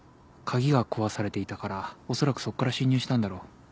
鍵が壊されていたからおそらくそこから侵入したんだろう。